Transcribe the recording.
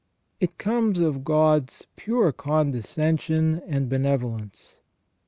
It comes of God's pure condescension and benevolence.